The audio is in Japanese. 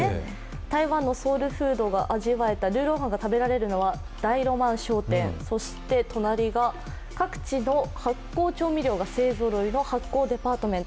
台湾のソウルフードが味わえたルーローハンが食べられるのが大浪漫商店、そして隣が各地の発酵食材が勢ぞろいの発酵デパートメント